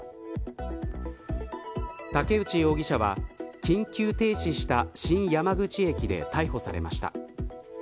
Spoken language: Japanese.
竹内容疑者は緊急停止した新山口駅で逮捕されました。